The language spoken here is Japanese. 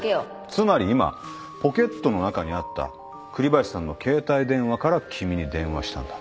つまり今ポケットの中にあった栗林さんの携帯電話から君に電話したんだ。